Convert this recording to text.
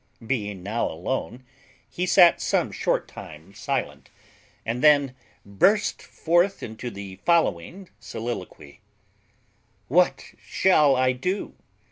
Being now alone, he sat some short time silent, and then burst forth into the following soliloquy: "What shall I do?